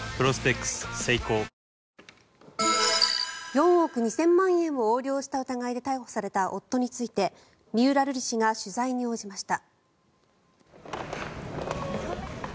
４億２０００万円を横領した疑いで逮捕された夫について三浦瑠麗氏が取材に応じました。